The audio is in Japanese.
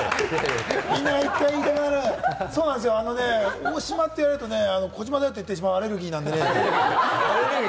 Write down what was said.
大島と言われるとね、児嶋だよ！と言ってしまうアレルギーなのでね。